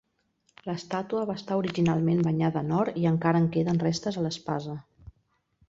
La estàtua va estar originalment banyada en or i encara en queden restes a l'espasa.